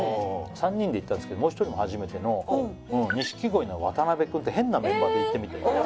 ３人で行ったんですけどもう一人も初めての錦鯉の渡辺くんって変なメンバーで行ってみてああ